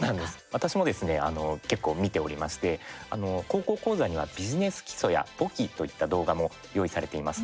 私もですね結構、見ておりまして「高校講座」には「ビジネス基礎」や「簿記」といった動画も用意されています。